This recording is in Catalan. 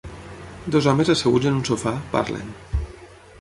Dos homes asseguts en un sofà, parlen.